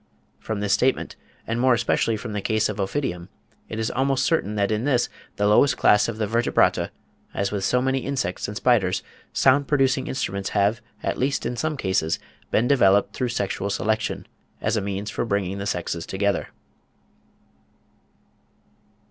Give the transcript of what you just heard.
From this statement, and more especially from the case of Ophidium, it is almost certain that in this, the lowest class of the Vertebrata, as with so many insects and spiders, sound producing instruments have, at least in some cases, been developed through sexual selection, as a means for bringing the sexes together.